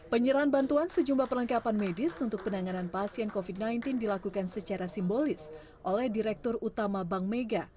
penyerahan bantuan sejumlah perlengkapan medis untuk penanganan pasien covid sembilan belas dilakukan secara simbolis oleh direktur utama bank mega